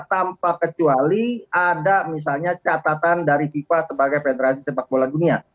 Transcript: tanpa kecuali ada misalnya catatan dari fifa sebagai federasi sepak bola dunia